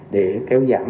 để kéo giảm